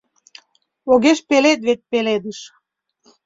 Огеш пелед вет пеледыш